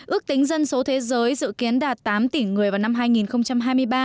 ước tính dân số thế giới dự kiến đạt tám tỷ người vào năm hai nghìn hai mươi ba